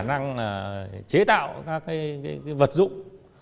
đối tượng đã chế tạo các vật dụng